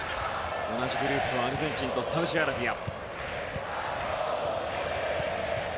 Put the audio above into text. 同じグループの国はアルゼンチンとサウジアラビア。